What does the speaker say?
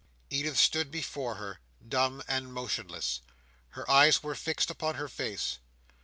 Edith stood before her, dumb and motionless. Her eyes were fixed upon her face.